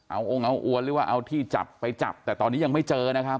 เอาองค์เอาอวนหรือว่าเอาที่จับไปจับแต่ตอนนี้ยังไม่เจอนะครับ